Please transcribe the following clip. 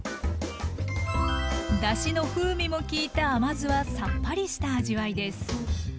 だしの風味も効いた甘酢はさっぱりした味わいです。